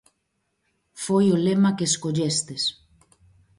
Foi o lema que escollestes.